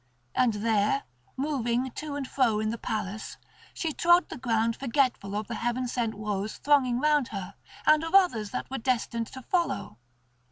And there, moving to and fro in the palace, she trod the ground forgetful of the heaven sent woes thronging round her and of others that were destined to follow.